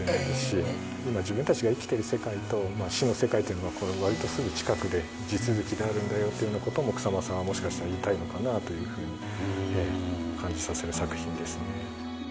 今自分たちが生きている世界と死の世界というのが割とすぐ近くで地続きであるんだよというような事も草間さんはもしかしたら言いたいのかなというふうに感じさせる作品ですね。